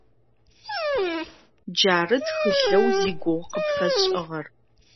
Джары тхылъэу зигугъу къыпфэсшӀыгъэр.